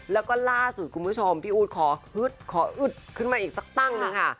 แล้วก็ล่าสุดคุณผู้ชมพี่อู๋ดขออึดขึ้นมาอีกสักตั้งค่ะ